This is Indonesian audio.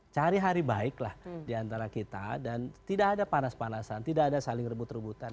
cari hari baiklah diantara kita dan tidak ada panas panasan tidak ada saling rebut rebutan